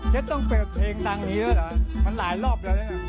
เช็ดต้องเปิดเพลงดังนี้ด้วยเหรอมันหลายรอบแล้ว